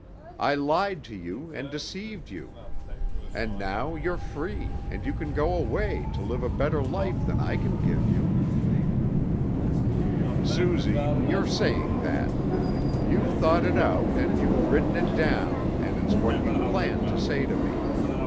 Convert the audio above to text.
I lied to you and I deceived you, and now you're free, and you can go away, to live a better life than I can give you." "Suzy, you're saying that. You've thought it out, and you've written it down, and it's what you planned to say to me.